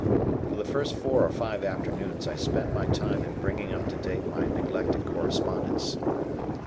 For the first four or five afternoons I spent my time in bringing up to date my neglected correspondence.